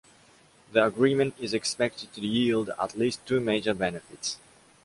The agreement is expected to yield at least two major benefits.